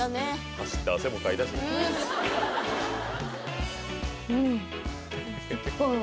走って汗もかいたしうん！